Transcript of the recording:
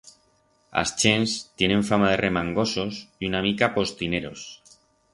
As chents tienen fama de remangosos y una miqueta postineros.